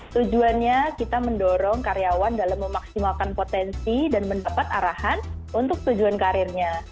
tujuannya kita mendorong karyawan dalam memaksimalkan potensi dan mendapat arahan untuk tujuan karirnya